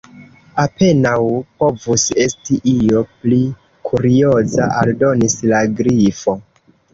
"Apenaŭ povus esti io pli kurioza," aldonis la Grifo.